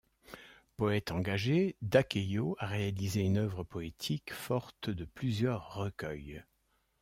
Poète engagé, Dakeyo a réalisé une œuvre poétique forte de plusieurs recueils.